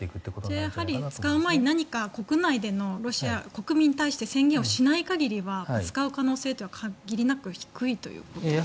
やはり使う前に何か国内で国民に対して宣言をしない限りは使う可能性は限りなく低いということですか？